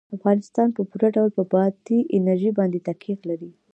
افغانستان په پوره ډول په بادي انرژي باندې تکیه لري.